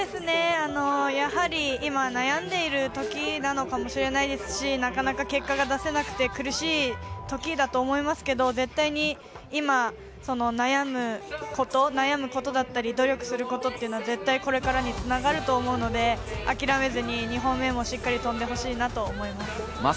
悩んでいる時なのかもしれないですし、なかなか結果が出せなくて苦しいときだと思いますけれど、絶対に今、悩むこと、努力することがこれからに繋がると思うので、諦めずに２本目もしっかり飛んでほしいと思います。